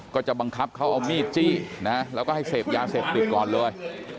ก็จะบังคับเขาเอามีดจี้นะแล้วก็ให้เสพยาเสพติดก่อนเลย